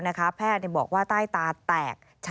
มันเกิดเหตุเป็นเหตุที่บ้านกลัว